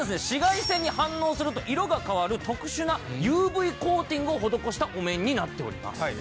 紫外線に反応すると色が変わる特殊なＵＶコーティングを施したお面になっております。